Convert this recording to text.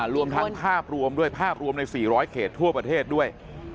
รวมทั้งภาพรวมด้วยภาพรวมใน๔๐๐เขตทั่วประเทศด้วย